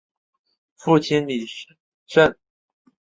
父亲李晟。